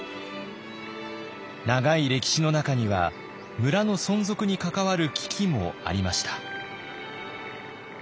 長い歴史の中には村の存続に関わる危機もありました。